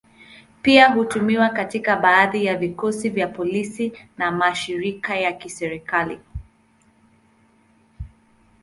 Pia hutumiwa katika baadhi ya vikosi vya polisi na mashirika ya kiserikali.